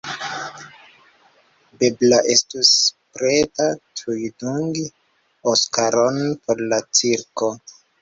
Bebra estus preta tuj dungi Oskaron por la cirko.